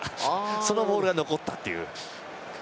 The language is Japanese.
そのボールが残ったという。